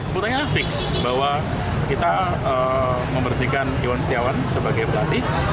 pertanyaannya fix bahwa kita memberdikan iwan setiawan sebagai pelatih